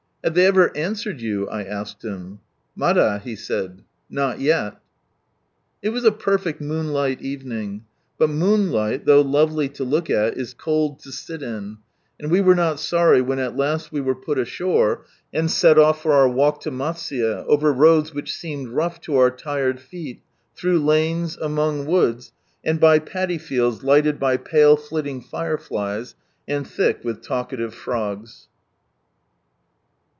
"Have they ever answered you?" I asked him. "Mada," he said, " Not yet." It was a perfect moonlight evening. But moonlight, though lovely to look at, is cold to sit in, and we were not sorry when at last we were put ashore, and set off for our walk to Matsuye, over roads which seemed rough to our lired feet, through lanes, among woods, and by paddy fields lighted by pale flitting fireflies and thick with talkative frogs.